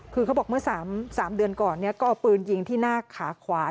คือเขาบอกเมื่อ๓เดือนก่อนก็เอาปืนยิงที่หน้าขาขวา